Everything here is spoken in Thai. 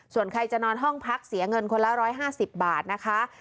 ส่วนใครจะนอนห้องพักเสียเงินคนละ๑๕๐บาทนะคะ